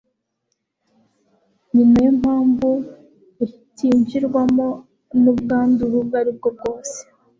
ni na yo mpamvu butinjirwamo n'ubwandure ubwo ari bwo bwose